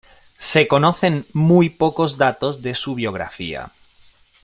Se conocen muy pocos datos de su biografía.